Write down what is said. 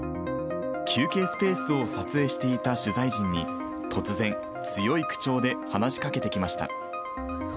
休憩スペースを撮影していた取材陣に突然、強い口調で話しかけてきました。